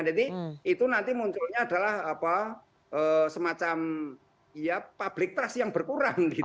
jadi itu nanti munculnya adalah apa semacam ya public trust yang berkurang gitu